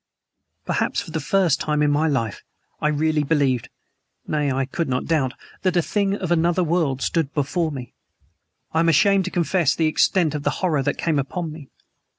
Perhaps for the first time in my life I really believed (nay, I could not doubt) that a thing of another world stood before me. I am ashamed to confess the extent of the horror that came upon me.